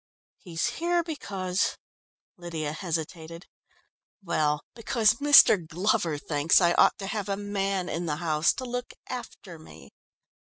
"He's here because " Lydia hesitated, "well, because Mr. Glover thinks I ought to have a man in the house to look after me."